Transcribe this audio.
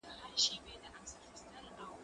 زه کولای سم انځور وګورم؟!